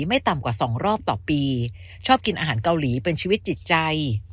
ไม่ต่ำกว่าสองรอบต่อปีชอบกินอาหารเกาหลีเป็นชีวิตจิตใจ